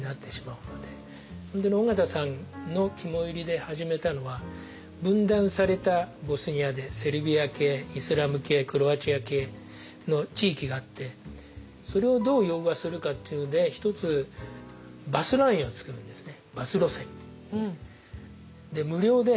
本当に緒方さんの肝煎りで始めたのは分断されたボスニアでセルビア系イスラム系クロアチア系の地域があってそれをどう融和するかっていうので一つ全部白で「ＵＮＨＣＲ」って書いてあるんですよね。